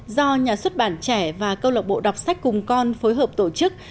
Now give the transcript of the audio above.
do nhà xuất bản trẻ và câu lạc bộ đọc sách cùng con phối hợp tổ chức